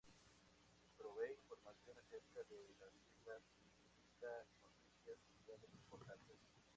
Provee información acerca de las islas y publica noticias mundiales importantes.